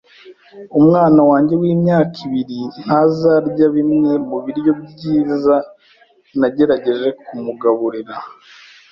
Umwana wanjye w'imyaka ibiri ntazarya bimwe mubiryo byiza nagerageje kumugaburira.